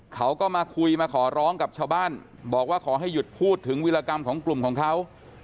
เขาก็มาคุยมาขอร้องกับชาวบ้านบอกว่าขอให้หยุดพูดถึงวิรากรรมของกลุ่มของเขา